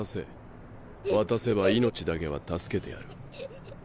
渡せば命だけは助けてやる。